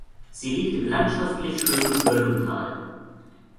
Sie liegt im landschaftlich schönen Höllental.